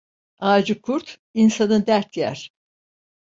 Ağacı kurt, insanı dert yer.